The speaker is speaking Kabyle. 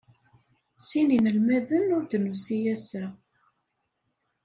Sin inelmaden ur d-nusi assa.